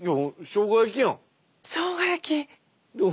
しょうが焼き？